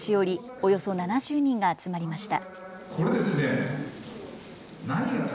およそ７０人が集まりました。